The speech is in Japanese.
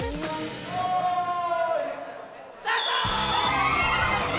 よーい、スタート！